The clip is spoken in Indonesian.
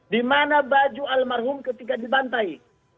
di mana baju almarhum ketika dibantai